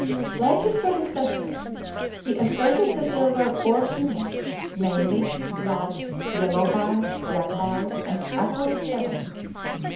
Like his predecessors, he asserted that there were four humours, namely, blood, yellow bile, black bile, and aqueous serum.